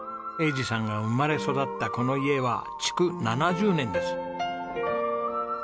栄治さんが生まれ育ったこの家は築７０年です。